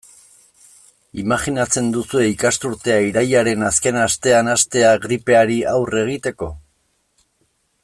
Imajinatzen duzue ikasturtea irailaren azken astean hastea gripeari aurre egiteko?